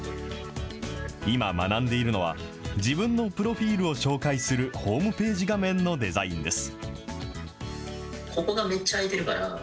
今学んでいるのは、自分のプロフィールを紹介するホームページ画面のデザインです。